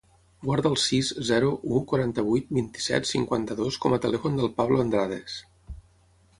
Guarda el sis, zero, u, quaranta-vuit, vint-i-set, cinquanta-dos com a telèfon del Pablo Andrades.